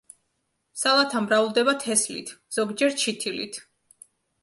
სალათა მრავლდება თესლით, ზოგჯერ ჩითილით.